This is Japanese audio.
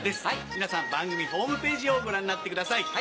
皆さん番組ホームページをご覧になってください。